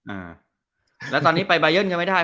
อ่าแล้วตอนนี้ไปบายันยังไม่ได้